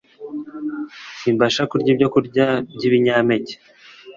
Simbasha kurya ibyokurya byibinyampeke